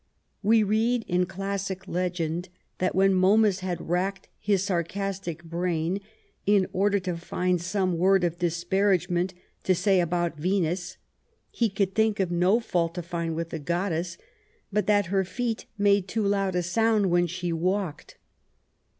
We read in classic legend that when Momus had racked his sarcastic brain in order to find some word of dis paragement to say about Venus, he could think of no fault to find with the goddess but that her feet made too loud a sound when she walked.